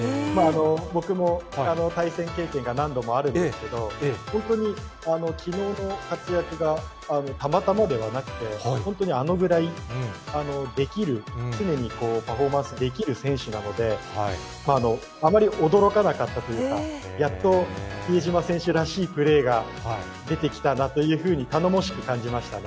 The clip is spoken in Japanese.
僕も対戦経験が何度もあるんですけれども、本当にきのうの活躍がたまたまではなくて、本当にあのぐらいできる、常にパフォーマンスできる選手なので、あまり驚かなかったというか、やっと比江島選手らしいプレーが出てきたなというふうに、頼もしく感じましたね。